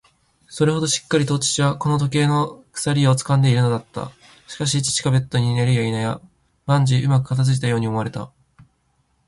それほどしっかりと父はこの時計の鎖をつかんでいるのだった。しかし、父がベッドに寝るやいなや、万事うまく片づいたように思われた。